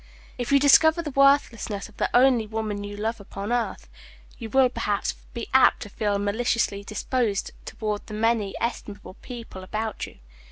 If you discover the worthlessness of the only woman you love upon earth, you will perhaps be apt to feel maliciously disposed toward the many estimable people about you.